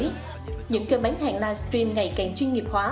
những cơ bán hàng livestream ngày càng chuyên nghiệp hóa